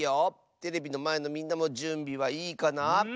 テレビのまえのみんなもじゅんびはいいかな？